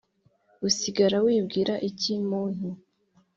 Usigara wibwira iki Muntu